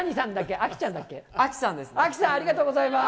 あきさん、ありがとうございます。